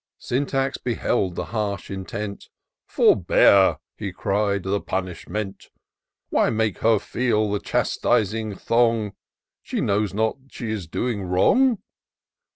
Syntax beheld the harsh intent :" Forbear," he cried, " the punishment! Why make her feel the chast'ning thong ? She knows not she is doing wrong.